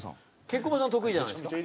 ケンコバさん得意じゃないですか？